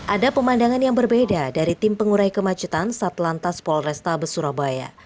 ada pemandangan yang berbeda dari tim pengurai kemacetan satlantas polrestabes surabaya